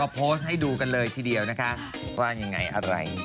โพสต์ให้ดูกันเลยทีเดียวนะคะว่ายังไงอะไร